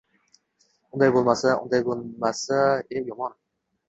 Unday bo‘lmasa... Unday bo‘lmasa, eee... yomon.